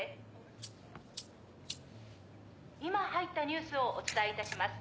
「今入ったニュースをお伝え致します」